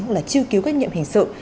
hoặc là trư cứu các nhiệm hình sự